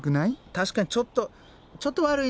確かにちょっとちょっと悪いなって。